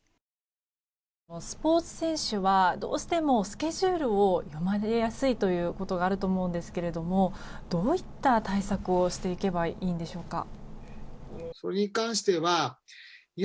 スポーツ選手はどうしてもスケジュールを読まれやすいということがあると思うんですがどういった対策をしていけばいいんでしょうか。